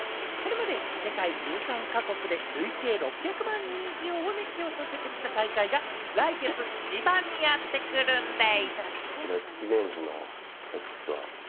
これまで世界１３か国で累計６００万人以上を熱狂させてきた大会が来月、千葉にやってくるんでぃす！